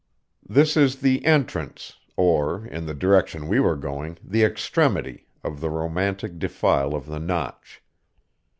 This is the entrance, or, in the direction we were going, the extremity, of the romantic defile of the Notch.